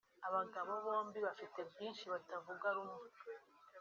abagabo bombi bafite byinshi batavugaho rumwe